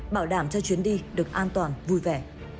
bảo đảm cho chuyến đi được an toàn vui vẻ